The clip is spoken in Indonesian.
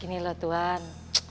gini loh tuhan